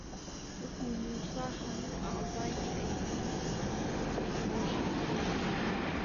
وەکوو مووسا هەموو ئەعزای کە ئەیبیست ڕۆژی کێوی توور